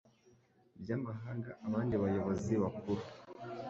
by amahanga abandi bayobozi bakuru